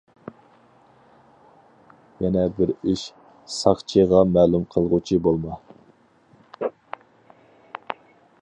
يەنە بىر ئىش، ساقچىغا مەلۇم قىلغۇچى بولما!